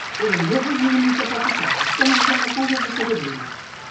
Érem joves i una mica pocasoltes com els de la Colla de Sabadell